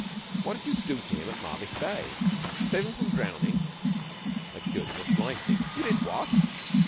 What did you do to him at Marvis Bay? Save him from drowning?' 'I cured him of slicing.' 'You did what?'